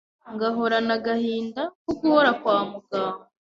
ngahorana agahinda ko guhora kwa muganga